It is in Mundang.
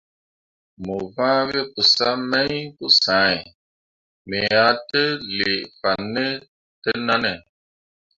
Mo vãã we pəsam mai pəsãhe, me tə a lee fan ne təʼnanne.